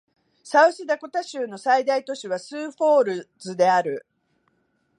サウスダコタ州の最大都市はスーフォールズである